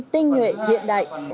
tinh nguyện hiện đại